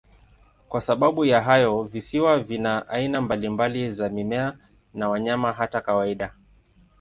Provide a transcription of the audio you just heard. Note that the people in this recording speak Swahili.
Kwa sababu ya hayo, visiwa vina aina mbalimbali za mimea na wanyama, hata kawaida.